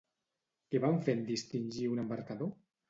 Què van fer en distingir un embarcador?